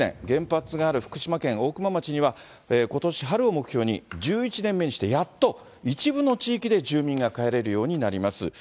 原発がある福島県大熊町にはことし春を目標に、１１年目にしてやっと、一部の地域で住民が帰れるようになります。